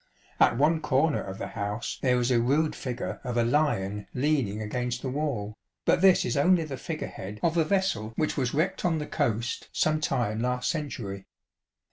At one corner of the house there is a rude figure of a lion leaning against the wall, but this is only the figure head of a vessel which was wrecked on the coast some time last century.